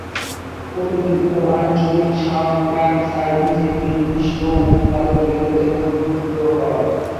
প্রতিটি উপ-আঞ্চলিক সংবাদ সার্ভিস একটি নির্দিষ্ট উৎপাদন কেন্দ্র থেকে উদ্ভূত হয়।